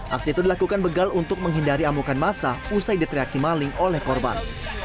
aksi itu dilakukan begal untuk menghindari amukan masa usai diteriaki maling oleh korban